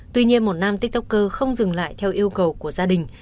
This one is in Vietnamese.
tuy nhiên một nam tiktoker không dừng lại theo yêu cầu của gia đình